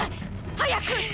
早く！